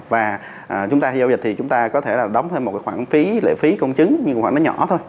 và chúng ta giao dịch thì chúng ta có thể đóng thêm một khoản lệ phí công chứng nhưng khoản nó nhỏ thôi